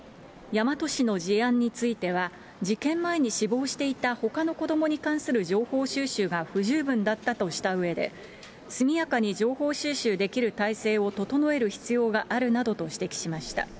大和市の事案については、事件前に死亡していたほかの子どもに関する情報収集が不十分だったとしたうえで、速やかに情報収集できる体制を整える必要があるなどと指摘しました。